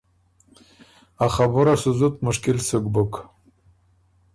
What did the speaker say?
ا خبُره سُو زُت مشکل سُک بُک“